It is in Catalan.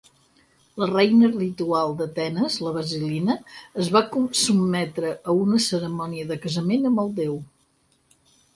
La reina ritual d'Atenes, la basilina, es va sotmetre a una cerimònia de casament amb el déu.